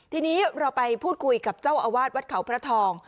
ทีนี้เราไปพูดคุยกับเจ้าอาวาสวัดเขาพระทอง